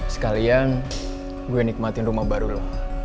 sekalian gue nikmatin rumah baru lo